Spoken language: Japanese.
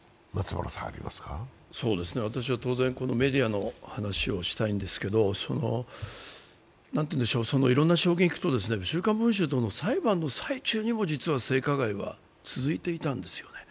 私は当然、メディアの話をしたいんですけどいろいろな衝撃と「週刊文春」等の裁判の最中にも実は性加害は続いていたんですよね。